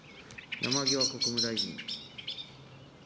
山際国務大臣。